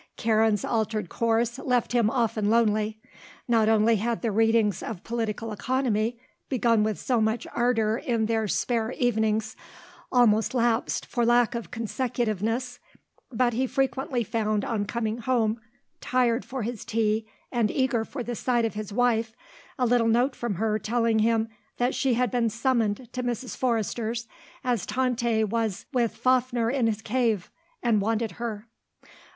Karen's altered course left him often lonely. Not only had the readings of Political Economy, begun with so much ardour in their spare evenings, almost lapsed for lack of consecutiveness; but he frequently found on coming home tired for his tea, and eager for the sight of his wife, a little note from her telling him that she had been summoned to Mrs. Forrester's as Tante was "with Fafner in his cave" and wanted her.